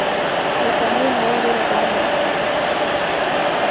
د کمرې هوا ډېره ګرمه وه.